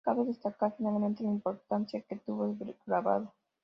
Cabe destacar, finalmente, la importancia que tuvo el grabado.